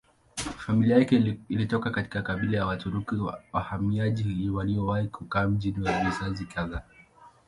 Familia yake ilitoka katika kabila ya Waturuki wahamiaji waliowahi kukaa mjini kwa vizazi kadhaa.